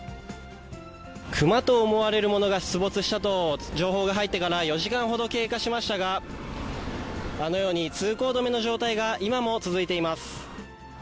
クマと思われるものが出没したと情報が入ってから、４時間ほど経過しましたが、あのように通行止めの状態が今も続いています。